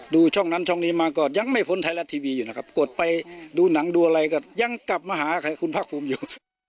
ช่องนั้นช่องนี้มาก็ยังไม่พ้นไทยรัฐทีวีอยู่นะครับกดไปดูหนังดูอะไรก็ยังกลับมาหาใครคุณภาคภูมิอยู่